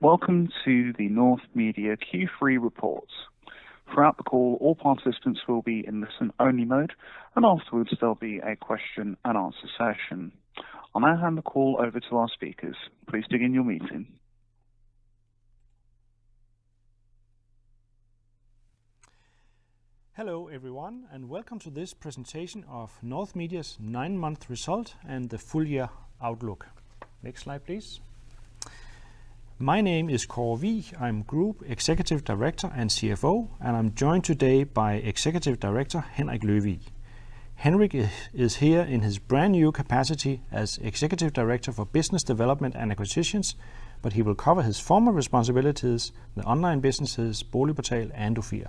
Welcome to the North Media Q3 report. Throughout the call, all participants will be in listen-only mode, and afterwards, there'll be a question and answer session. I'll now hand the call over to our speakers. Please begin your meeting. Hello, everyone, and welcome to this presentation of North Media's nine-month result and the full year outlook. Next slide, please. My name is Kåre Wigh. I'm Group Executive Director and CFO, and I'm joined today by Executive Director Henrik Løvig Jensen. Henrik is here in his brand-new capacity as Executive Director for Business Development and Acquisitions, but he will cover his former responsibilities, the online businesses BoligPortal and Ofir.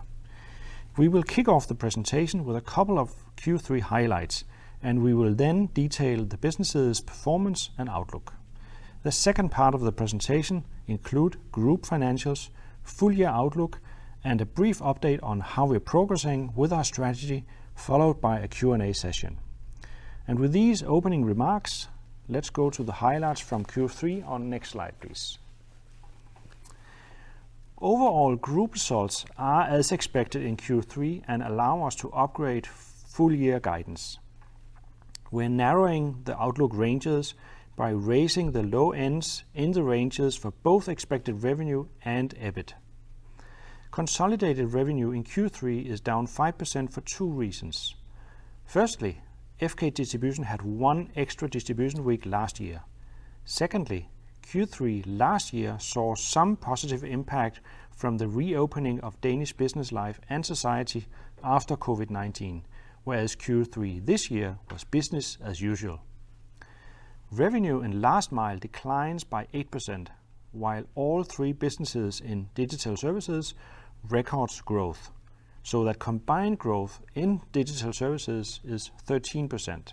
We will kick off the presentation with a couple of Q3 highlights, and we will then detail the business' performance and outlook. The second part of the presentation include group financials, full year outlook, and a brief update on how we're progressing with our strategy, followed by a Q&A session. With these opening remarks, let's go to the highlights from Q3 on next slide, please. Overall, group results are as expected in Q3 and allow us to upgrade full year guidance. We're narrowing the outlook ranges by raising the low ends in the ranges for both expected revenue and EBIT. Consolidated revenue in Q3 is down 5% for two reasons. Firstly, FK Distribution had one extra distribution week last year. Secondly, Q3 last year saw some positive impact from the reopening of Danish business life and society after COVID-19, whereas Q3 this year was business as usual. Revenue in Last Mile declines by 8%, while all three businesses in Digital Services record growth, so that combined growth in Digital Services is 13%.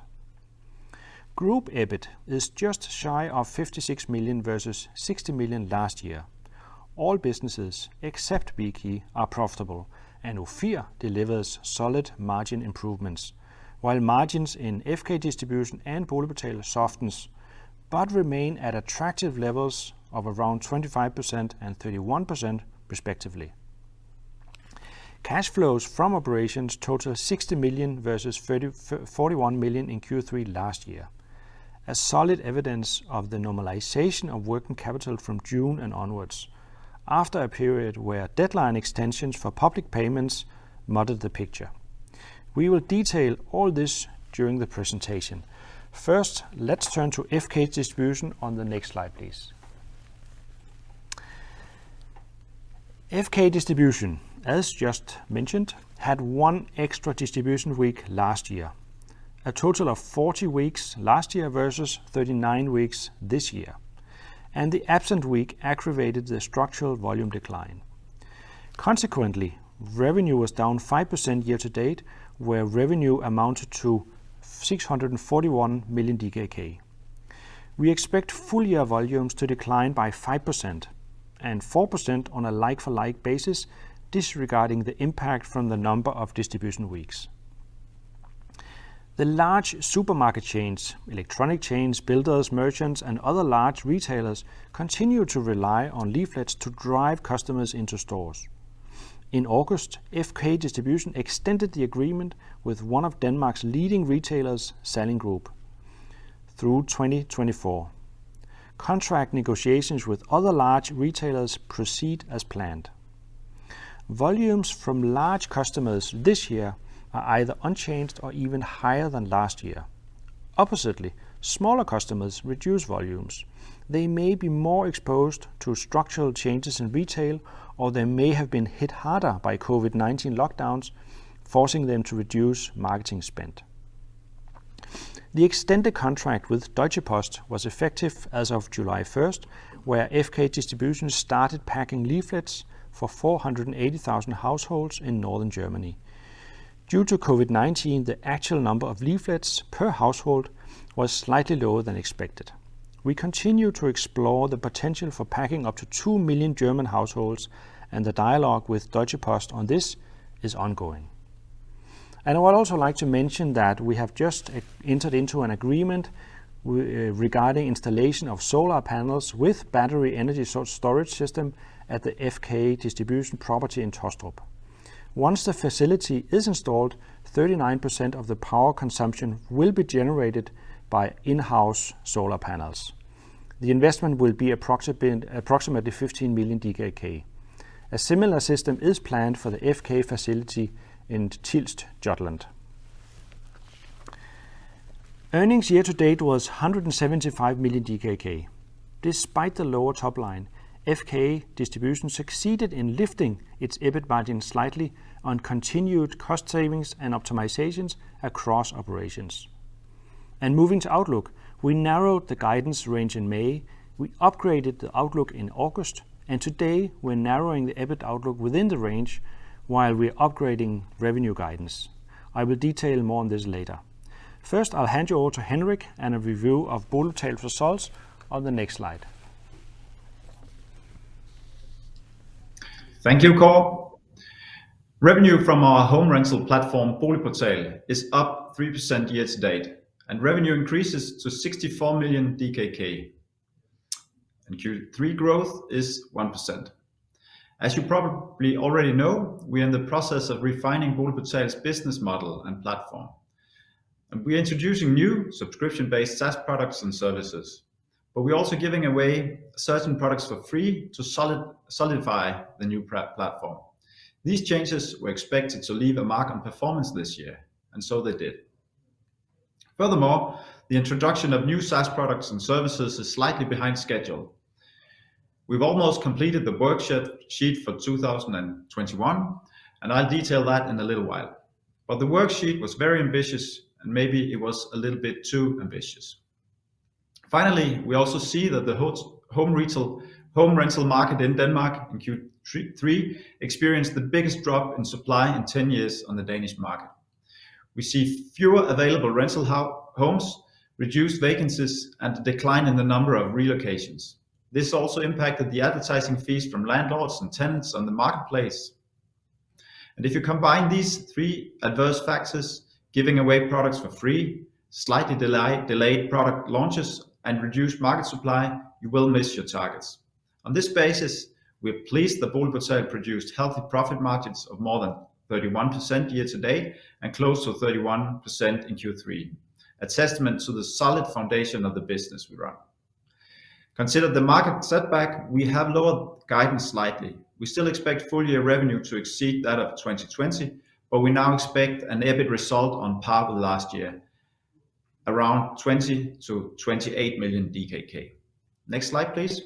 Group EBIT is just shy of 56 million versus 60 million last year. All businesses except Wiki are profitable, and Ofir delivers solid margin improvements, while margins in FK Distribution and BoligPortal softens but remain at attractive levels of around 25% and 31% respectively. Cash flows from operations total 60 million versus 41 million in Q3 last year. A solid evidence of the normalization of working capital from June and onwards after a period where deadline extensions for public payments muddied the picture. We will detail all this during the presentation. First, let's turn to FK Distribution on the next slide, please. FK Distribution, as just mentioned, had one extra distribution week last year, a total of 40 weeks last year versus 39 weeks this year, and the absent week aggravated the structural volume decline. Consequently, revenue was down 5% year-to-date, where revenue amounted to 641 million DKK. We expect full year volumes to decline by 5% and 4% on a like-for-like basis, disregarding the impact from the number of distribution weeks. The large supermarket chains, electronic chains, builders, merchants, and other large retailers continue to rely on leaflets to drive customers into stores. In August, FK Distribution extended the agreement with one of Denmark's leading retailers, Salling Group, through 2024. Contract negotiations with other large retailers proceed as planned. Volumes from large customers this year are either unchanged or even higher than last year. Oppositely, smaller customers reduce volumes. They may be more exposed to structural changes in retail, or they may have been hit harder by COVID-19 lockdowns, forcing them to reduce marketing spend. The extended contract with Deutsche Post was effective as of July first, where FK Distribution started packing leaflets for 480,000 households in northern Germany. Due to COVID-19, the actual number of leaflets per household was slightly lower than expected. We continue to explore the potential for packing up to 2 million German households, and the dialogue with Deutsche Post on this is ongoing. I would also like to mention that we have just entered into an agreement regarding installation of solar panels with battery energy storage system at the FK Distribution property in Taastrup. Once the facility is installed, 39% of the power consumption will be generated by in-house solar panels. The investment will be approximately 15 million DKK. A similar system is planned for the FK facility in Tilst, Jutland. Earnings year-to-date was 175 million DKK. Despite the lower top line, FK Distribution succeeded in lifting its EBIT margin slightly on continued cost savings and optimizations across operations. Moving to outlook, we narrowed the guidance range in May, we upgraded the outlook in August, and today we're narrowing the EBIT outlook within the range while we're upgrading revenue guidance. I will detail more on this later. First, I'll hand you over to Henrik Løvig for a review of BoligPortal results on the next slide. Thank you, Kåre. Revenue from our home rental platform, BoligPortal, is up 3% year-to-date, and revenue increases to 64 million DKK. In Q3 growth is 1%. As you probably already know, we are in the process of refining BoligPortal's business model and platform. We're introducing new subscription-based SaaS products and services, but we're also giving away certain products for free to solidify the new platform. These changes were expected to leave a mark on performance this year, and so they did. Furthermore, the introduction of new SaaS products and services is slightly behind schedule. We've almost completed the worksheet for 2021, and I'll detail that in a little while. The worksheet was very ambitious, and maybe it was a little bit too ambitious. Finally, we also see that the home rental market in Denmark in Q3 experienced the biggest drop in supply in 10 years on the Danish market. We see fewer available rental homes, reduced vacancies, and a decline in the number of relocations. This also impacted the advertising fees from landlords and tenants on the marketplace. If you combine these three adverse factors, giving away products for free, slightly delayed product launches, and reduced market supply, you will miss your targets. On this basis, we are pleased that BoligPortal produced healthy profit margins of more than 31% year to date and close to 31% in Q3, a testament to the solid foundation of the business we run. Considering the market setback, we have lowered guidance slightly. We still expect full-year revenue to exceed that of 2020, but we now expect an EBIT result on par with last year, around 20 million-28 million DKK. Next slide, please.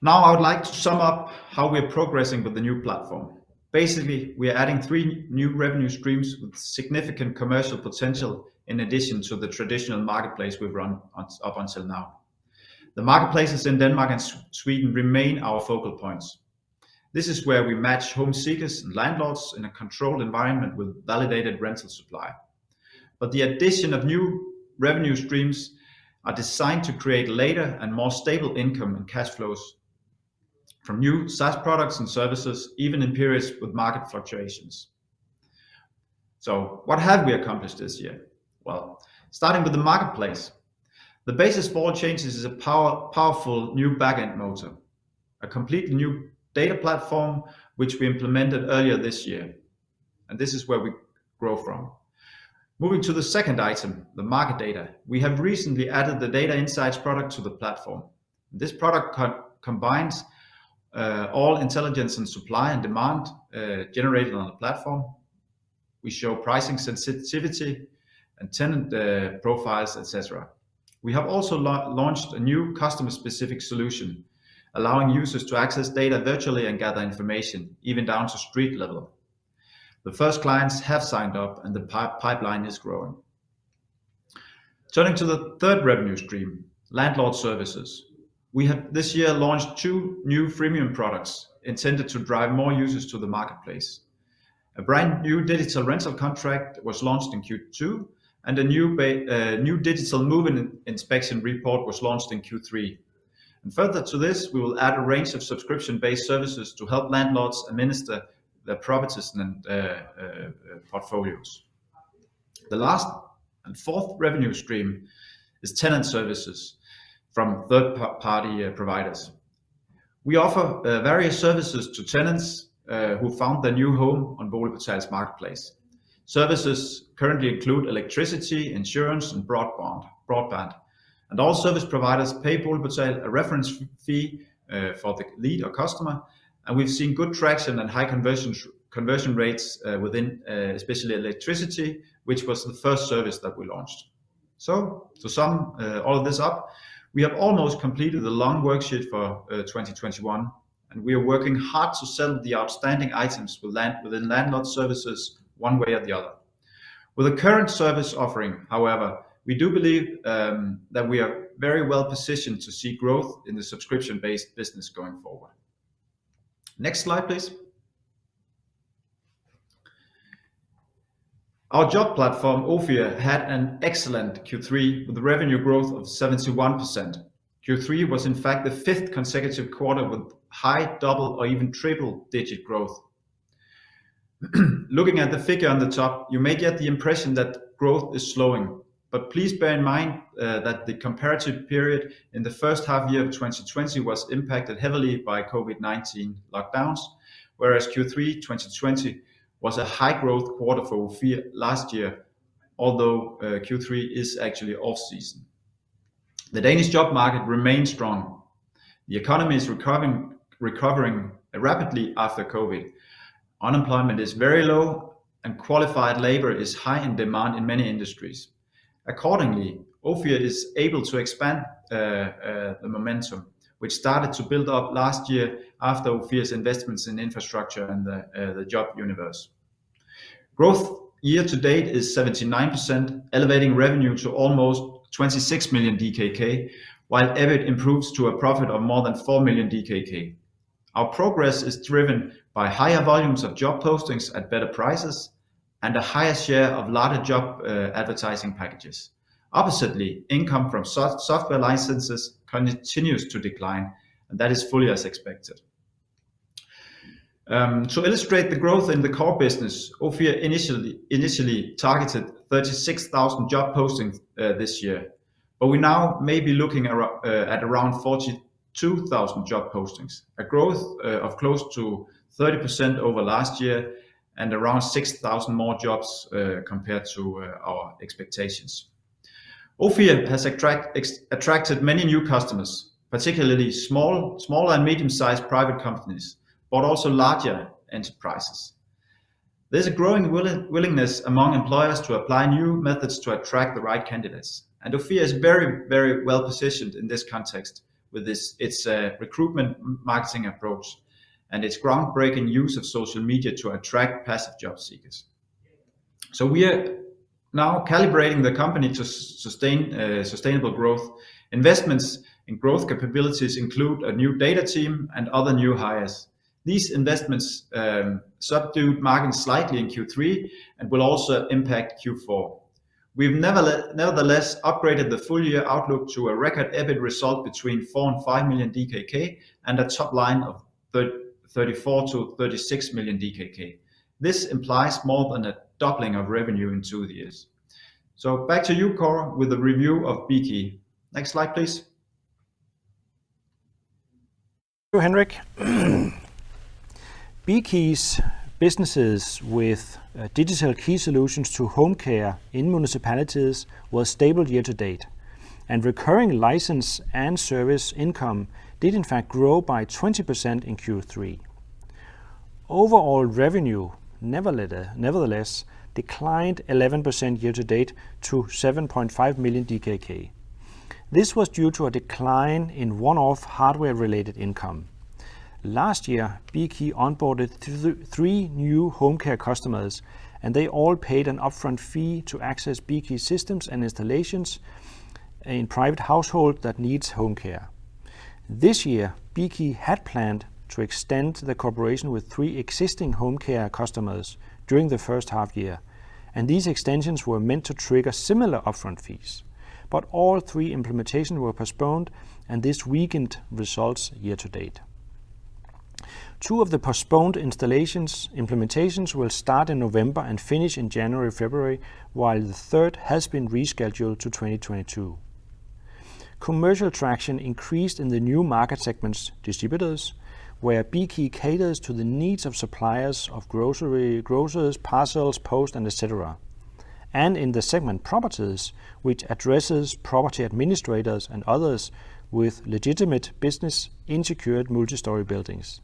Now, I would like to sum up how we're progressing with the new platform. Basically, we are adding three new revenue streams with significant commercial potential in addition to the traditional marketplace we've run on, up until now. The marketplaces in Denmark and Sweden remain our focal points. This is where we match home seekers and landlords in a controlled environment with validated rental supply. The addition of new revenue streams are designed to create latter and more stable income and cash flows from new SaaS products and services, even in periods with market fluctuations. What have we accomplished this year? Well, starting with the marketplace, the basis for all changes is a powerful new back-end motor, a completely new data platform which we implemented earlier this year. This is where we grow from. Moving to the second item, the market data. We have recently added the data insights product to the platform. This product combines all intelligence and supply and demand generated on the platform. We show pricing sensitivity and tenant profiles, et cetera. We have also launched a new customer-specific solution, allowing user to access data virtually and gather information even down to street level. The first clients have signed up and the pipeline is growing. Turning to the third revenue stream, landlord s ervices. We have this year launched two new freemium products intended to drive more users to the marketplace. A brand-new digital rental contract was launched in Q2, and a new digital move-in inspection report was launched in Q3. Further to this, we will add a range of subscription-based services to help landlords administer their properties and portfolios. The last and fourth revenue stream is tenant services from third party providers. We offer various services to tenants who found their new home on BoligPortal's marketplace. Services currently include electricity, insurance and broadband. All service providers pay BoligPortal a reference fee for the lead or customer, and we've seen good traction and high conversion rates within especially electricity, which was the first service that we launched. To sum all of this up, we have almost completed the long worksheet for 2021, and we are working hard to settle the outstanding items within landlord services one way or the other. With the current service offering, however, we do believe that we are very well positioned to see growth in the subscription-based business going forward. Next slide, please. Our job platform, Ofir, had an excellent Q3 with revenue growth of 71%. Q3 was in fact the fifth consecutive quarter with high double or even triple digit growth. Looking at the figure on the top, you may get the impression that growth is slowing, but please bear in mind that the comparative period in the first half year of 2020 was impacted heavily by COVID-19 lockdowns, whereas Q3 2020 was a high growth quarter for Ofir last year although Q3 is actually off season. The Danish job market remains strong. The economy is recovering rapidly after COVID. Unemployment is very low, and qualified labor is high in demand in many industries. Accordingly, Ofir is able to expand the momentum, which started to build up last year after Ofir's investments in infrastructure and the job universe. Growth year-to-date is 79%, elevating revenue to almost 26 million DKK, while EBIT improves to a profit of more than 4 million DKK. Our progress is driven by higher volumes of job postings at better prices and a higher share of larger job advertising packages. Oppositely, income from SaaS software licenses continues to decline, and that is fully as expected. To illustrate the growth in the core business, Ofir initially targeted 36,000 job postings this year. We now may be looking at around 42,000 job postings, a growth of close to 30% over last year and around 6,000 more jobs compared to our expectations. Ofir has attracted many new customers, particularly small and medium-sized private companies, but also larger enterprises. There's a growing willingness among employers to apply new methods to attract the right candidates, and Ofir is very, very well positioned in this context with its recruitment marketing approach and its groundbreaking use of social media to attract passive job seekers. We are now calibrating the company to sustain sustainable growth. Investments in growth capabilities include a new data team and other new hires. These investments subdue margins slightly in Q3 and will also impact Q4. We've nevertheless upgraded the full year outlook to a record EBIT result between 4 million and 5 million DKK and a top line of 34 million-36 million DKK. This implies more than a doubling of revenue in two years. Back to you, Kåre, with a review of Bekey. Next slide, please. Thank you, Henrik. Bekey's business with digital key solutions for home care in municipalities was stable year to date, and recurring license and service income did in fact grow by 20% in Q3. Overall revenue nevertheless declined 11% year-to-date to 7.5 million DKK. This was due to a decline in one-off hardware-related income. Last year, Bekey onboarded three new home care customers, and they all paid an upfront fee to access Bekey systems and installations in private households that need home care. This year, Bekey had planned to extend the cooperation with three existing home care customers during the first half year, and these extensions were meant to trigger similar upfront fees. All three implementations were postponed, and this weakened results year-to-date. Two of the postponed installations implementations will start in November and finish in January, February, while the third has been rescheduled to 2022. Commercial traction increased in the new market segments distributors, where Bekey caters to the needs of suppliers of grocery, grocers, parcels, post, and et cetera. In the segment properties, which addresses property administrators and others with legitimate business in secured multi-story buildings.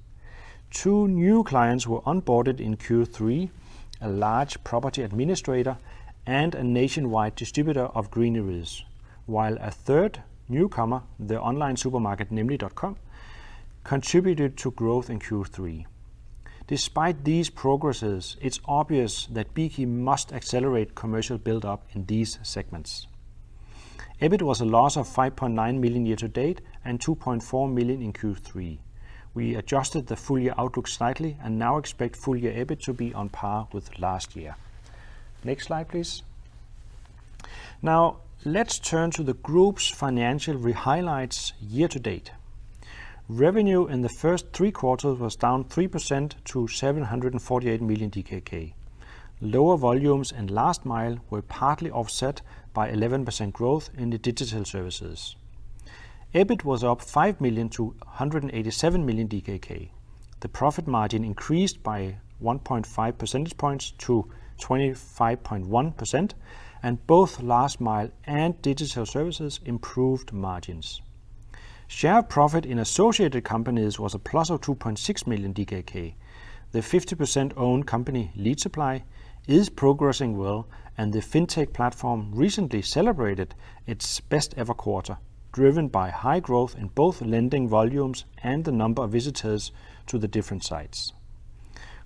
Two new clients were onboarded in Q3, a large property administrator and a nationwide distributor of groceries, while a third newcomer, the online supermarket nemlig.com, contributed to growth in Q3. Despite these progresses, it's obvious that Bekey must accelerate commercial build-up in these segments. EBIT was a loss of 5.9 million year to date and 2.4 million in Q3. We adjusted the full year outlook slightly and now expect full year EBIT to be on par with last year. Next slide, please. Now, let's turn to the group's financial highlights year to date. Revenue in the first three quarters was down 3% to 748 million DKK. Lower volumes in Last Mile were partly offset by 11% growth in the Digital Services. EBIT was up 5 million to 187 million DKK. The profit margin increased by 1.5 percentage points to 25.1%, and both Last Mile and Digital Services improved margins. Share of profit in associated companies was a plus of 2.6 million DKK. The 50% owned company, Lead Supply, is progressing well, and the fintech platform recently celebrated its best ever quarter, driven by high growth in both lending volumes and the number of visitors to the different sites.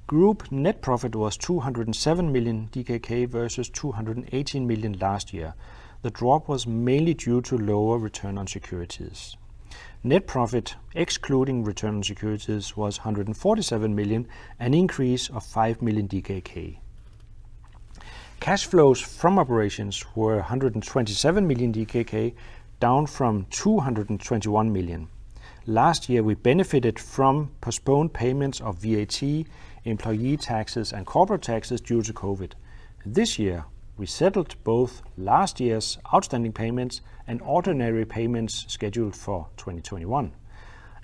Group net profit was 207 million DKK versus 218 million last year. The drop was mainly due to lower return on securities. Net profit, excluding return on securities, was 147 million, an increase of 5 million DKK. Cash flows from operations were 127 million DKK, down from 221 million. Last year, we benefited from postponed payments of VAT, employee taxes, and corporate taxes due to COVID. This year, we settled both last year's outstanding payments and ordinary payments scheduled for 2021.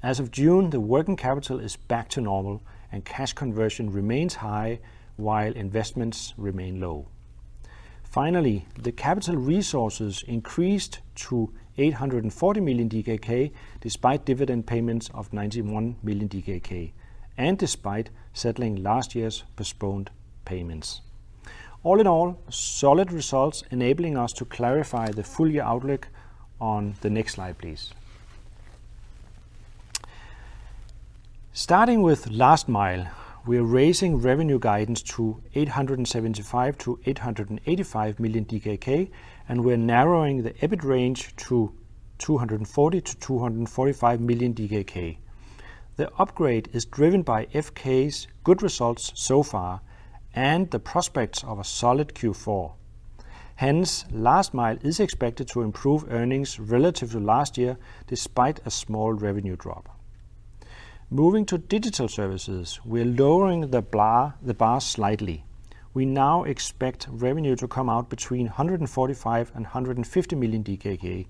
As of June, the working capital is back to normal and cash conversion remains high while investments remain low. Finally, the capital resources increased to 840 million DKK despite dividend payments of 91 million DKK and despite settling last year's postponed payments. All in all, solid results enabling us to clarify the full year outlook on the next slide, please. Starting with Last Mile, we're raising revenue guidance to 875 million-885 million DKK, and we're narrowing the EBIT range to two hundred and forty to two hundred and forty-five million DKK. The upgrade is driven by FK's good results so far and the prospects of a solid Q4. Hence, Last Mile is expected to improve earnings relative to last year despite a small revenue drop. Moving to Digital Services, we're lowering the bar slightly. We now expect revenue to come out between hundred and forty-five and hundred and fifty million DKK,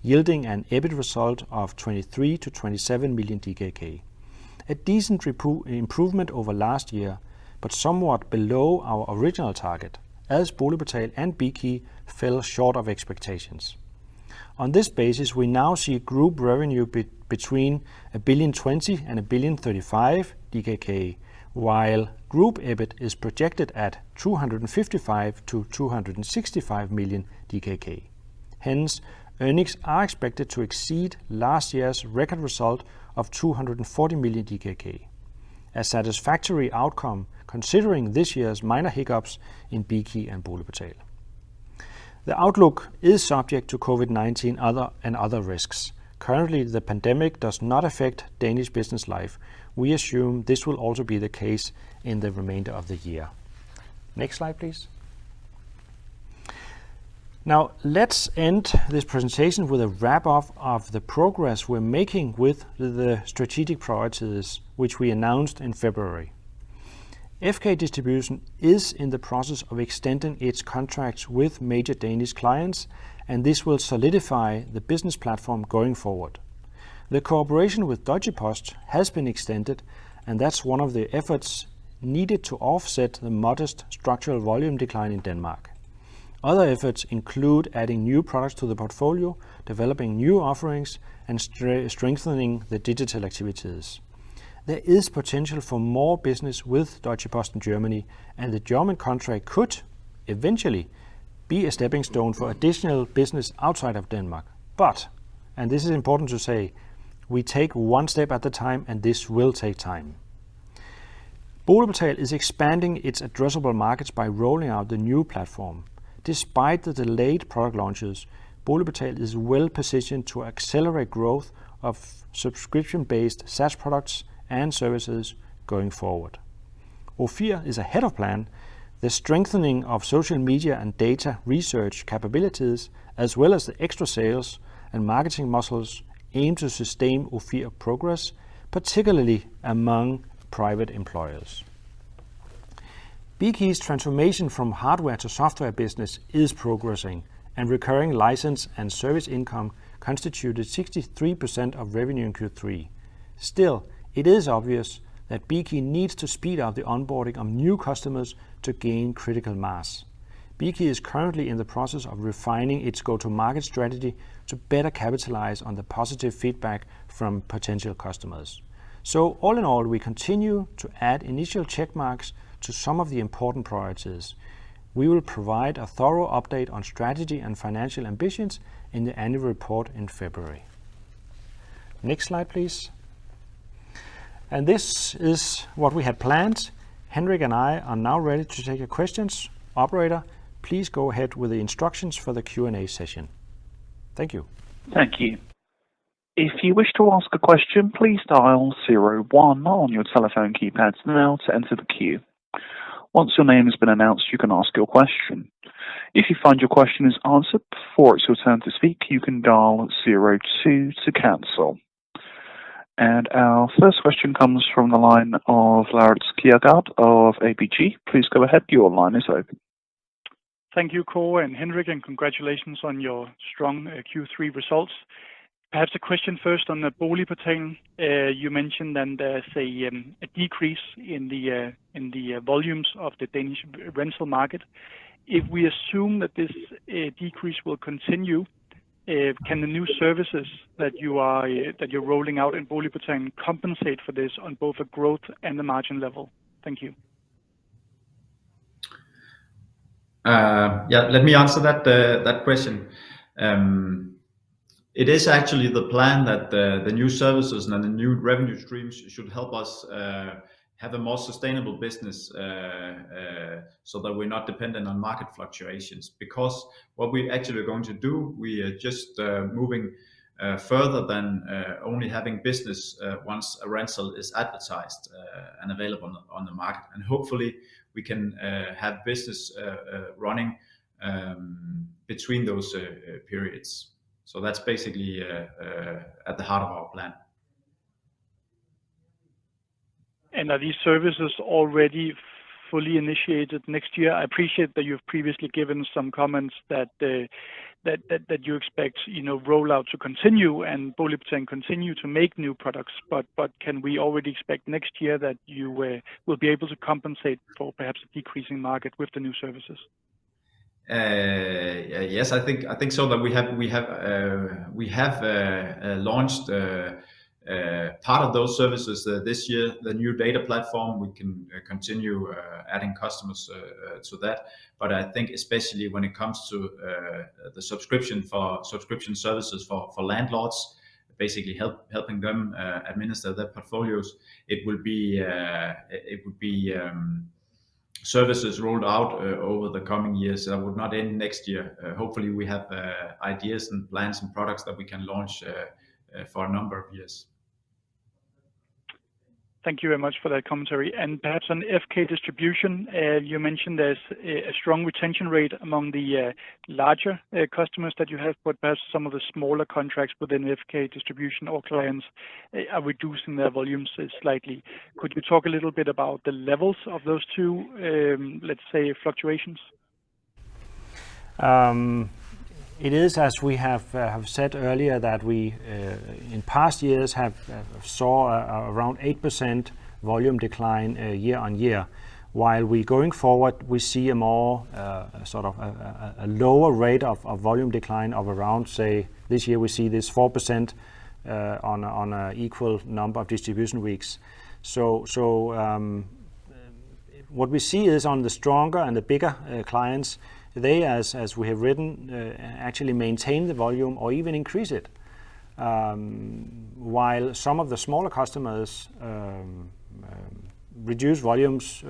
yielding an EBIT result of 23-27 million DKK. A decent improvement over last year, but somewhat below our original target, as BoligPortal and Bekey fell short of expectations. On this basis, we now see group revenue between 1.02 billion and 1.035 billion, while group EBIT is projected at 255-265 million DKK. Hence, earnings are expected to exceed last year's record result of 240 million DKK. A satisfactory outcome considering this year's minor hiccups in Bekey and BoligPortal. The outlook is subject to COVID-19 and other risks. Currently, the pandemic does not affect Danish business life. We assume this will also be the case in the remainder of the year. Next slide, please. Now, let's end this presentation with a wrap-up of the progress we're making with the strategic priorities which we announced in February. FK Distribution is in the process of extending its contracts with major Danish clients, and this will solidify the business platform going forward. The cooperation with Deutsche Post has been extended, and that's one of the efforts needed to offset the modest structural volume decline in Denmark. Other efforts include adding new products to the portfolio, developing new offerings, and strengthening the digital activities. There is potential for more business with Deutsche Post in Germany, and the German contract could eventually be a stepping stone for additional business outside of Denmark. This is important to say, we take one step at a time, and this will take time. BoligPortal is expanding its addressable markets by rolling out the new platform. Despite the delayed product launches, BoligPortal is well-positioned to accelerate growth of subscription-based SaaS products and services going forward. Ofir is ahead of plan. The strengthening of social media and data research capabilities, as well as the extra sales and marketing muscles, aim to sustain Ofir progress, particularly among private employers. Bekey's transformation from hardware to software business is progressing, and recurring license and service income constituted 63% of revenue in Q3. Still, it is obvious that Bekey needs to speed up the onboarding of new customers to gain critical mass. Bekey is currently in the process of refining its go-to-market strategy to better capitalize on the positive feedback from potential customers. All in all, we continue to add initial check marks to some of the important priorities. We will provide a thorough update on strategy and financial ambitions in the annual report in February. Next slide, please. This is what we had planned. Henrik and I are now ready to take your questions. Operator, please go ahead with the instructions for the Q&A session. Thank you. Thank you. If you wish to ask a question, please dial 01 on your telephone keypads now to enter the queue. Once your name has been announced, you can ask your question. If you find your question is answered before it's your turn to speak, you can dial 02 to cancel. Our first question comes from the line of Lars Kjærgaard of ABG. Please go ahead. Your line is open. Thank you, Kåre and Henrik, and congratulations on your strong Q3 results. I have a question first on the BoligPortal. You mentioned that there's a decrease in the volumes of the Danish rental market. If we assume that this decrease will continue, can the new services that you're rolling out in BoligPortal compensate for this on both the growth and the margin level? Thank you. Yeah. Let me answer that question. It is actually the plan that the new services and the new revenue streams should help us have a more sustainable business so that we're not dependent on market fluctuations. Because what we actually are going to do, we are just moving further than only having business once a rental is advertised and available on the market. Hopefully, we can have business running between those periods. That's basically at the heart of our plan. Are these services already fully initiated next year? I appreciate that you've previously given some comments that you expect, you know, rollout to continue and BoligPortal continue to make new products. Can we already expect next year that you will be able to compensate for perhaps a decreasing market with the new services? Yes, I think so that we have launched part of those services this year. The new data platform, we can continue adding customers to that. I think especially when it comes to the subscription for subscription services for landlords, basically helping them administer their portfolios, it would be services rolled out over the coming years would not end next year. Hopefully we have ideas and plans and products that we can launch for a number of years. Thank you very much for that commentary. Perhaps on FK Distribution, you mentioned there's a strong retention rate among the larger customers that you have, but perhaps some of the smaller contracts within FK Distribution or clients are reducing their volumes slightly. Could you talk a little bit about the levels of those two, let's say fluctuations? It is as we have have said earlier that we in past years have saw around 8% volume decline year-on-year. While we going forward we see a more sort of a lower rate of volume decline of around, say, this year we see this 4% on an equal number of distribution weeks. What we see is on the stronger and the bigger clients, they, as we have written, actually maintain the volume or even increase it. While some of the smaller customers reduce volumes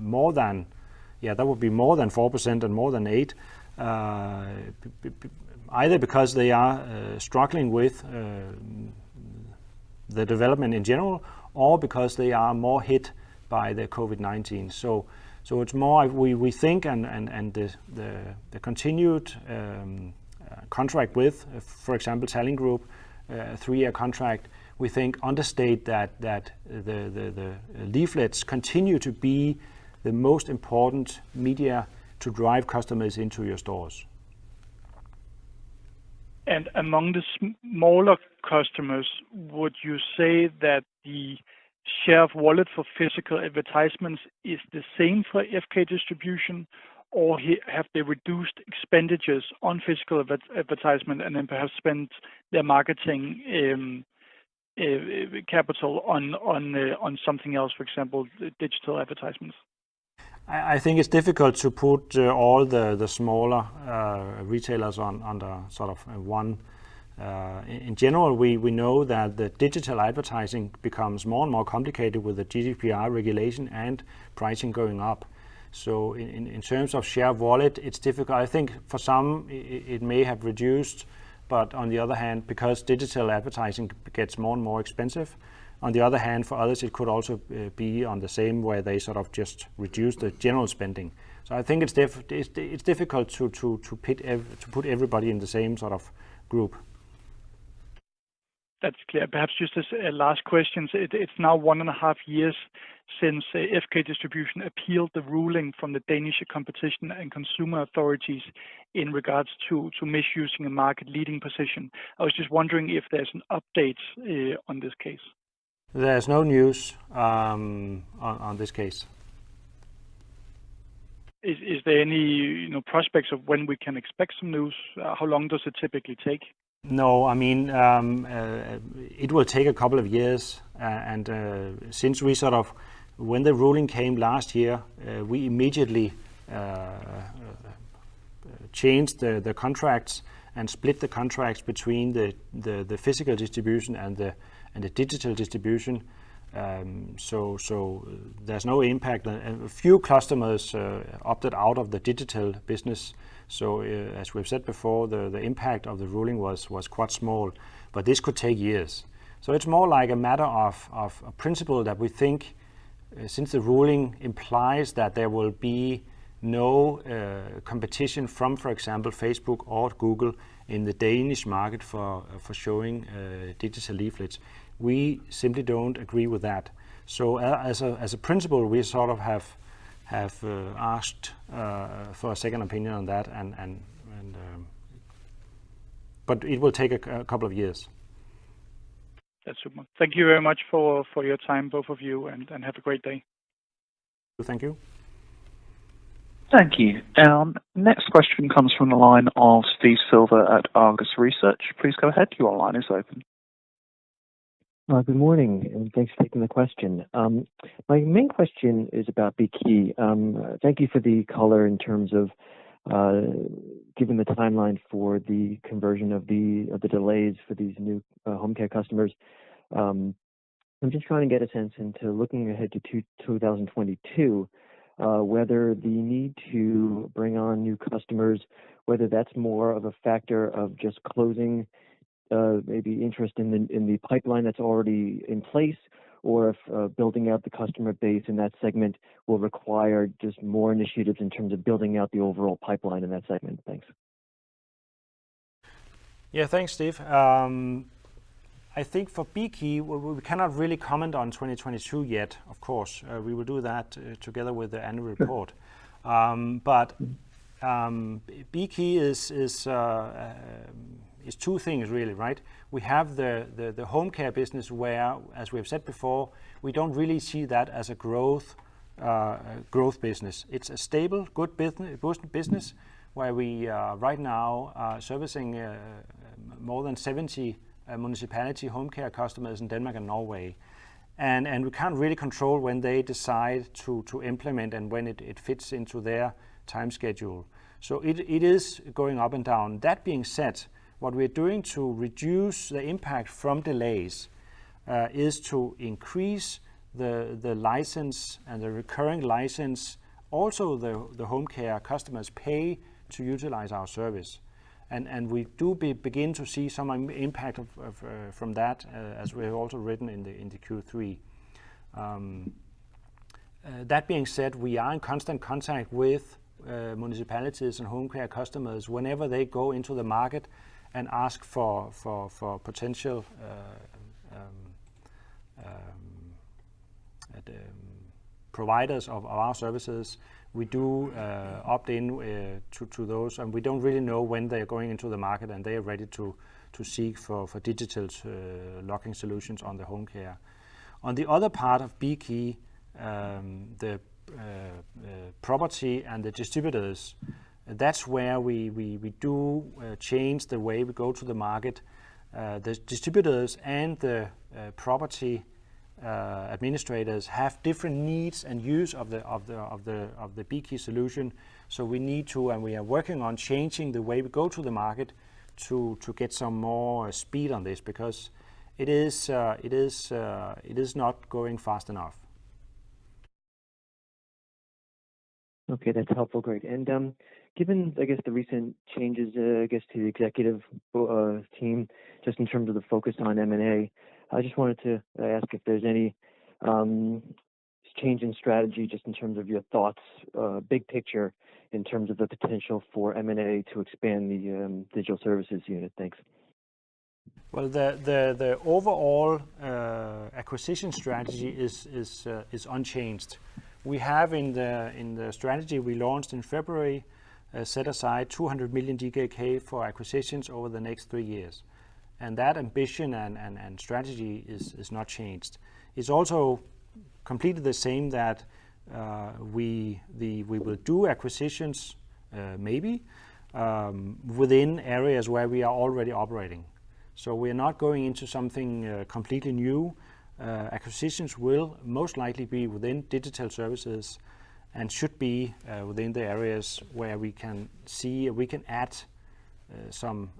more than that would be more than 4% and more than 8%. Either because they are struggling with the development in general or because they are more hit by the COVID-19. It's more, we think, and the continued contract with, for example, Salling Group, a three-year contract, we think understates that the leaflets continue to be the most important media to drive customers into your stores. Among the smaller customers, would you say that the share of wallet for physical advertisements is the same for FK Distribution, or have they reduced expenditures on physical advertisement and then perhaps spent their marketing capital on something else, for example, digital advertisements? I think it's difficult to put all the smaller retailers under sort of one. In general, we know that the digital advertising becomes more and more complicated with the GDPR regulation and pricing going up. In terms of share of wallet, it's difficult. I think for some it may have reduced, but on the other hand, because digital advertising gets more and more expensive, on the other hand for others it could also be on the same where they sort of just reduce the general spending. I think it's difficult to put everybody in the same sort of group. That's clear. Perhaps just as a last question, it's now one and a half years since FK Distribution appealed the ruling from the Danish Competition and Consumer Authority in regards to misusing a market leading position. I was just wondering if there's an update on this case. There's no news on this case. Is there any, you know, prospects of when we can expect some news? How long does it typically take? No. I mean, it will take a couple of years. When the ruling came last year, we immediately changed the contracts and split the contracts between the physical distribution and the digital distribution. There's no impact. A few customers opted out of the digital business. As we've said before, the impact of the ruling was quite small, but this could take years. It's more like a matter of principle that we think since the ruling implies that there will be no competition from, for example, Facebook or Google in the Danish market for showing digital leaflets. We simply don't agree with that. As a principle, we sort of have asked for a second opinion on that, and it will take a couple of years. That's super. Thank you very much for your time, both of you, and have a great day. Thank you. Thank you. Next question comes from the line of Steve Silver at Argus Research. Please go ahead, your line is open. Good morning, and thanks for taking the question. My main question is about Bekey. Thank you for the color in terms of giving the timeline for the conversion of the delays for these new home care customers. I'm just trying to get a sense into looking ahead to 2022, whether the need to bring on new customers, whether that's more of a factor of just closing maybe interest in the pipeline that's already in place, or if building out the customer base in that segment will require just more initiatives in terms of building out the overall pipeline in that segment. Thanks. Yeah. Thanks, Steve. I think for Bekey we cannot really comment on 2022 yet, of course. We will do that together with the annual report. Bekey is two things really, right? We have the home care business where, as we have said before, we don't really see that as a growth business. It's a stable, good business where we are right now servicing more than 70 municipality home care customers in Denmark and Norway. We can't really control when they decide to implement and when it fits into their time schedule. It is going up and down. That being said, what we're doing to reduce the impact from delays is to increase the license and the recurring license. Also, the home care customers pay to utilize our service. We begin to see some impact from that, as we have also written in the Q3. That being said, we are in constant contact with municipalities and home care customers whenever they go into the market and ask for potential providers of our services. We opt in to those, and we don't really know when they're going into the market and they are ready to seek for digital locking solutions on the home care. On the other part of Bekey, the property and the distributors, that's where we change the way we go to the market. The distributors and the property administrators have different needs and use of the Bekey solution. We need to, and we are working on changing the way we go to the market to get some more speed on this because it is not going fast enough. Okay, that's helpful, Greg. Given, I guess the recent changes, I guess, to the executive team, just in terms of the focus on M&A, I just wanted to ask if there's any change in strategy, just in terms of your thoughts, big picture in terms of the potential for M&A to expand the Digital Services unit. Thanks. Well, the overall acquisition strategy is unchanged. We have in the strategy we launched in February set aside 200 million DKK for acquisitions over the next three years. That ambition and strategy is not changed. It's also completely the same that we will do acquisitions maybe within areas where we are already operating. We are not going into something completely new. Acquisitions will most likely be within Digital Services and should be within the areas where we can see we can add some.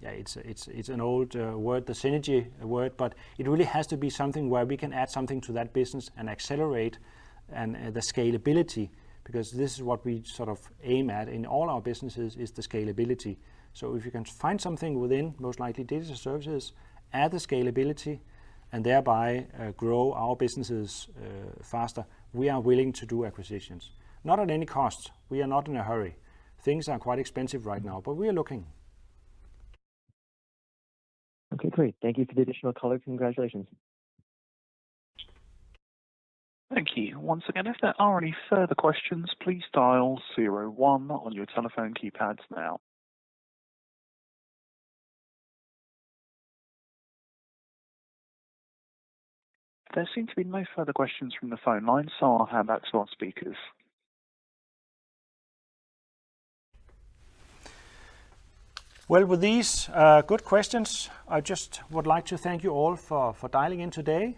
Yeah, it's an old word, the synergy word, but it really has to be something where we can add something to that business and accelerate the scalability, because this is what we sort of aim at in all our businesses, is the scalability. If you can find something within, most likely Digital Services, add the scalability, and thereby grow our businesses faster, we are willing to do acquisitions. Not at any cost. We are not in a hurry. Things are quite expensive right now, but we are looking. Okay, great. Thank you for the additional color. Congratulations. Thank you. Once again, if there are any further questions, please dial zero one on your telephone keypads now. There seem to be no further questions from the phone line, so I'll hand back to our speakers. Well, with these good questions, I just would like to thank you all for dialing in today.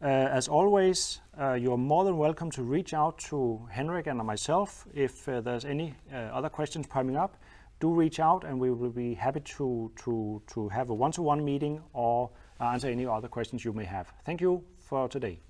As always, you're more than welcome to reach out to Henrik and myself. If there's any other questions coming up, do reach out and we will be happy to have a one-to-one meeting or answer any other questions you may have. Thank you for today.